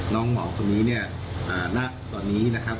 หมอคนนี้เนี่ยณตอนนี้นะครับ